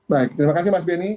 baik terima kasih mas benny